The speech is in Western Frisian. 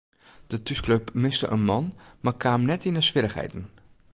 De thúsklup miste in man mar kaam net echt yn swierrichheden.